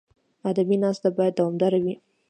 ادبي ناسته باید دوامداره وي.